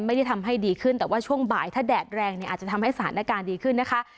ไม่ได้ทำให้ดีขึ้นแต่ว่าช่วงบ่ายถ้าแดดแรงเนี่ยอาจจะทำให้สถานการณ์ดีขึ้นนะคะ